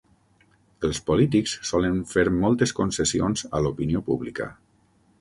Els polítics solen fer moltes concessions a l'opinió pública.